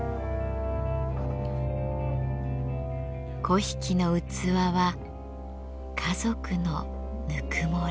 粉引の器は家族のぬくもり。